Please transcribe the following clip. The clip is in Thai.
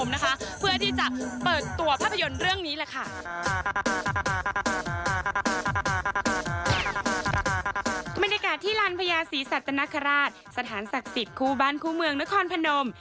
บรรยากาศที่ลานพญาศรีสัตนคราชสถานศักดิ์สิทธิ์คู่บ้านคู่เมืองนครพนม